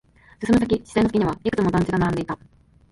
進む先、視線の先にはいくつも団地が立ち並んでいた。